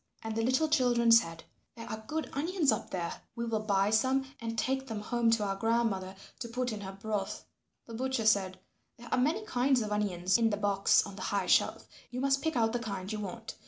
And the little children said, "There are good onions up there; we will buy some and take them home to our grandmother to put in her broth." The butcher said, "There are many kinds of onions in the box on the high shelf. You must pick out the kind you want.